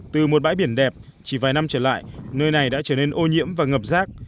từ một bãi biển đẹp chỉ vài năm trở lại nơi này đã trở nên ô nhiễm và ngập rác